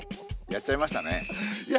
やっちゃいました。